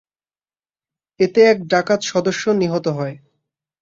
এতে এক ডাকাত সদস্য নিহত হয়।